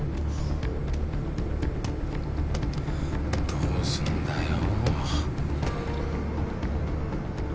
どうすんだよ。